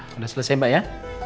sudah selesai mbak ya